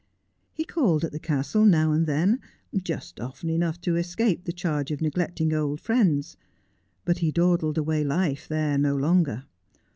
He called at the castle now and then, just often enough to escape the charge of neglecting old friends, but he dawdled away life there no longer.